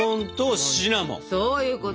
そういうこと。